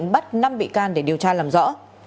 năm bị can để điều tra làm rõ